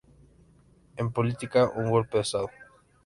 En política: un golpe de estado.